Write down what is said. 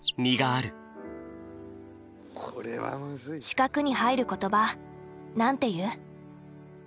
四角に入る言葉なんて言う？